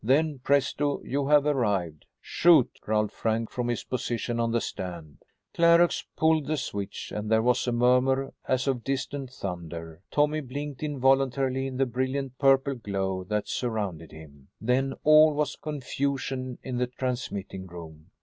Then presto! you have arrived." "Shoot!" growled Frank from his position on the stand. Clarux pulled the switch and there was a murmur as of distant thunder. Tommy blinked involuntarily in the brilliant purple glow that surrounded him. Then all was confusion in the transmitting room.